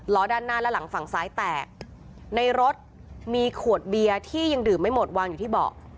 ด้านหน้าและหลังฝั่งซ้ายแตกในรถมีขวดเบียร์ที่ยังดื่มไม่หมดวางอยู่ที่เบาะ